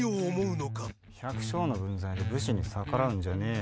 百姓の分際で武士に逆らうんじゃねえよ